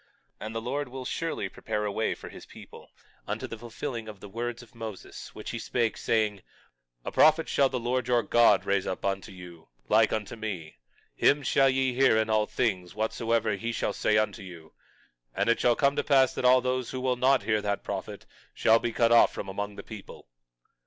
22:20 And the Lord will surely prepare a way for his people, unto the fulfilling of the words of Moses, which he spake, saying: A prophet shall the Lord your God raise up unto you, like unto me; him shall ye hear in all things whatsoever he shall say unto you. And it shall come to pass that all those who will not hear that prophet shall be cut off from among the people.